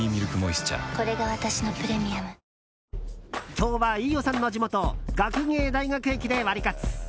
今日は飯尾さんの地元学芸大学駅でワリカツ。